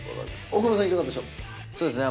大久保さんいかがでしょう。